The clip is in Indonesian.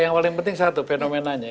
yang paling penting satu fenomenanya